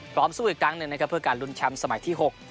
สู้อีกครั้งหนึ่งนะครับเพื่อการลุ้นแชมป์สมัยที่๖